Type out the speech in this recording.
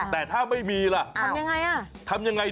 แต่ถ้าไม่มีล่ะทำยังไงล่ะ